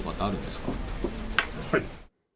はい。